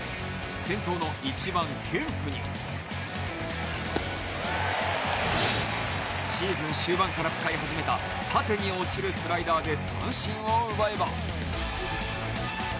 先頭の１番・ケンプにシーズン終盤から使い始めた縦に落ちるスライダーで三振を奪えば。